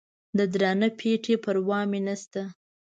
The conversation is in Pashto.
د درانه پېټي پروا مې نسته